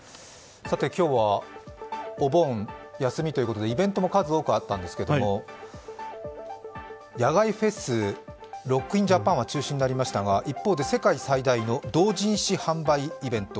今日はお盆、休みということでイベントも数多くあったんですけれども、野外フェス、ＲＯＣＫＩＮＪＡＰＡＮは中止になりましたが、一方で世界最大の同人誌販売イベント